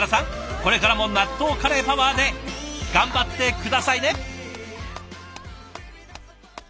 これからも納豆カレーパワーで頑張って下さいね！